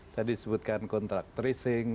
tadi disebutkan kontrak tracing